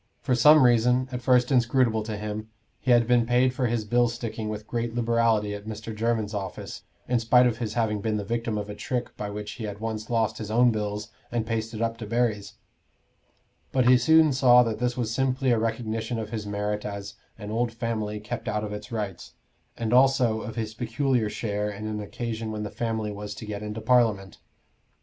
For some reason, at first inscrutable to him, he had been paid for his bill sticking with great liberality at Mr. Jermyn's office, in spite of his having been the victim of a trick by which he had once lost his own bills and pasted up Debarry's; but he soon saw that this was simply a recognition of his merit as "an old family kept out of its rights," and also of his peculiar share in an occasion when the family was to get into Parliament.